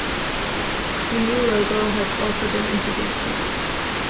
A new logo has also been introduced to match.